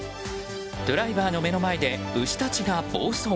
ドライバーの目の前で牛たちが暴走。